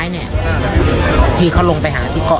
วันนี้แม่ช่วยเงินมากกว่า